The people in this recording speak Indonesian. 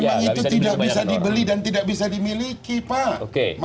memang itu tidak bisa dibeli dan tidak bisa dimiliki pak